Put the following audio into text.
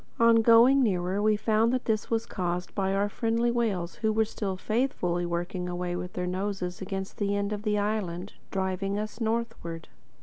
On going nearer, we found that this was caused by our friendly whales who were still faithfully working away with their noses against the end of the island, driving us northward.